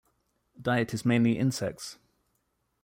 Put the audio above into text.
Diet is mainly insects.